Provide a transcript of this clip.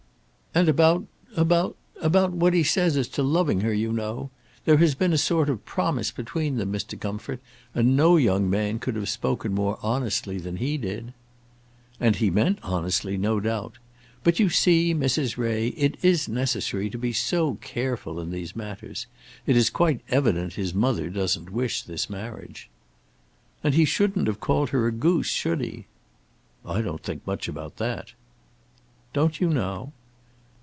"And about, about, about what he says as to loving her, you know? There has been a sort of promise between them, Mr. Comfort, and no young man could have spoken more honestly than he did." "And he meant honestly, no doubt; but you see, Mrs. Ray, it is necessary to be so careful in these matters! It is quite evident his mother doesn't wish this marriage." "And he shouldn't have called her a goose; should he?" "I don't think much about that." "Don't you, now?"